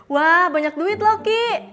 wah banyak duit loh ki